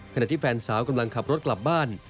ขณะที่แฟนสาวกำลังขับรถกลับบ้าน